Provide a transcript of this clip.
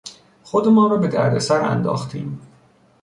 خودمان را به دردسر انداختیم.